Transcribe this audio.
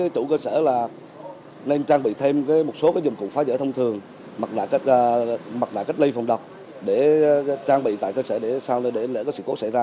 chủ cơ sở nên trang bị thêm một số dụng cụ phá vỡ thông thường mặc lại cách lây phòng đọc để trang bị tại cơ sở để sau lễ sự cố xảy ra